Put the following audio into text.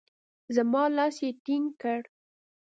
زما لاس يې ټينګ کړ.